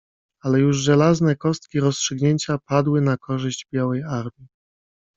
Ale już żelazne kostki rozstrzygnięcia padły na korzyść białej armii.